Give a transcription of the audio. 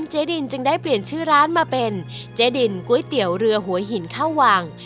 เจ๊ดินจึงได้เปลี่ยนชื่อร้านมาเป็นเจ๊ดินก๋วยเตี๋ยวเรือหัวหินข้าววัง